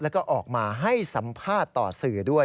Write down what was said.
แล้วก็ออกมาให้สัมภาษณ์ต่อสื่อด้วย